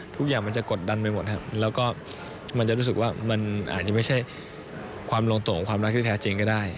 ทุกอย่างมันจะกดดันไปหมดครับแล้วก็มันจะรู้สึกว่ามันอาจจะไม่ใช่ความลงตัวของความรักที่แท้จริงก็ได้